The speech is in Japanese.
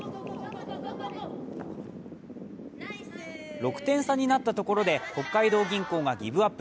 ６点差になったところで北海道銀行がギブアップ。